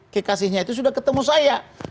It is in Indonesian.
kekasihnya itu sudah ketemu saya